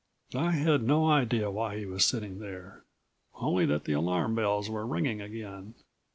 I had no idea why he was sitting there, only that the alarm bells were ringing again.